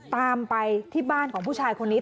ตามไปที่บ้านของผู้ชายคนนี้